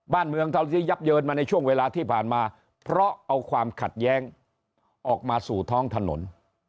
บ้านเมืองเท่าที่ยับเยินมาในช่วงเวลาที่ผ่านมาเพราะเอาความขัดแย้งออกมาสู่ท้องถนน